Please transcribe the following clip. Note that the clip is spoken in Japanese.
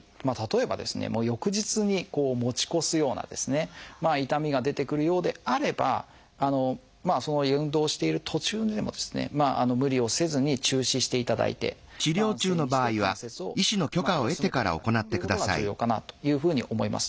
翌日に持ち越すような痛みが出てくるようであれば運動をしている途中でも無理をせずに中止していただいて安静にして関節を休めていただくっていうことが重要かなというふうに思います。